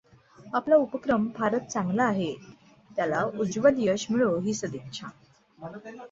आपला उपक्रम फारच चांगला आहे, त्याला उज्ज्वल यश मिळो ही सदिच्छा.